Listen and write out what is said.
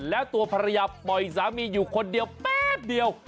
แล้วตัวภรรยาปล่อยสามีอยู่คนเดียวแป๊บเดียว